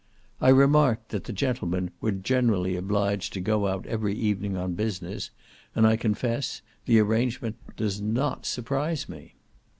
I remarked that the gentlemen were generally obliged to go out every evening on business, and, I confess, the arrangement did not surprise me.